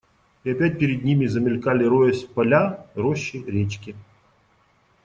И опять перед ними замелькали, роясь, поля, рощи, речки.